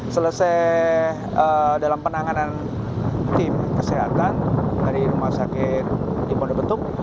selesai dalam penanganan tim kesehatan dari rumah sakit di pondobetuk